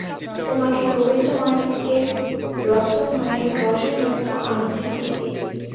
তোমাকে গোবিন্দমাণিক্যের রক্ত মায়ের দর্শনার্থ আনিতে হইবে।